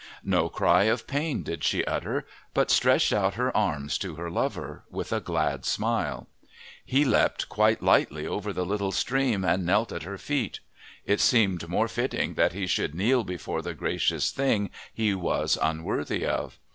No cry of pain did she utter, but stretched out her arms to her lover, with a glad smile. He leapt quite lightly over the little stream and knelt at her feet. It seemed more fitting that he should kneel before the gracious thing he was unworthy of.